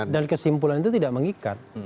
dan kesimpulan itu tidak mengikat